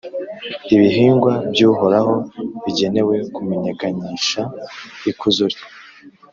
ibihingwa by’uhoraho, bigenewe kumenyekanyisha ikuzo rye.»